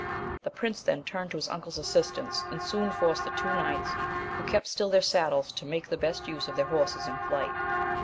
The prince then turned to his uncle's assistance, and soon forced the two knights, who still kept their saddles, to make the best use of their horses in flight.